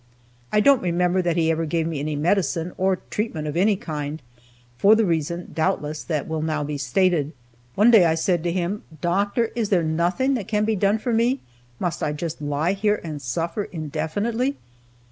I don't remember that he ever gave me any medicine, or treatment of any kind, for the reason, doubtless, that will now be stated. One day I said to him, "Doctor, is there nothing that can be done for me? Must I just lie here and suffer indefinitely?"